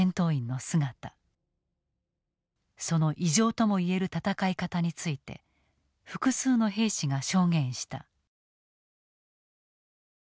その異常ともいえる戦い方について複数の兵士が証言した。